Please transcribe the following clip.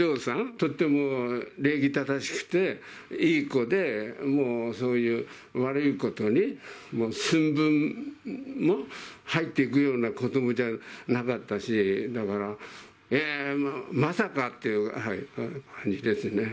とっても礼儀正しくて、いい子で、もう、そういう悪いことに寸分も入っていくような子どもじゃなかったし、だから、えー、まさかっていう感じですね。